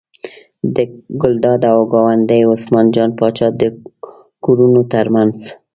د ګلداد او ګاونډي عثمان جان پاچا د کورونو تر منځ.